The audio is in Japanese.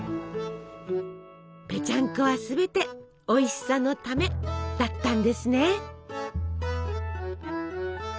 ぺちゃんこはすべておいしさのためだったんですね。